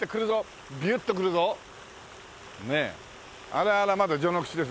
あれあれはまだ序の口です。